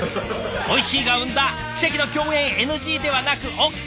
おいしいが生んだ奇跡の共演ＮＧではなくＯＫ！